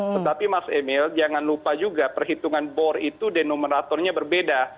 tetapi mas emil jangan lupa juga perhitungan bor itu denomenatornya berbeda